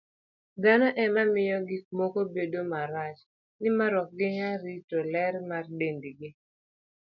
Dhano ema miyo gik moko bedo marach, nimar ok ginyal rito ler mar dendgi.